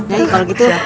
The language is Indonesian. nyai kalau gitu